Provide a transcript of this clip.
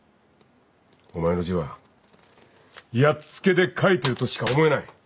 お前の字はやっつけで書いてるとしか思えない。